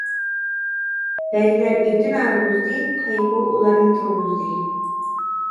بەگلەر ئېتىنى ھارغۇزدى، قايغۇ ئۇلارنى تۇرغۇزدى.